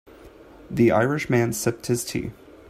The Irish man sipped his tea.